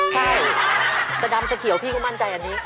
ใช่สดำจะเขียวพี่ก็มั่นใจอันนี้